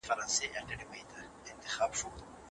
تاریخ په ایډیالوژیک چوکاټ کې بند پاتې سو.